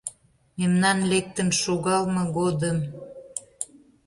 Мемнан лектын шогалме годым.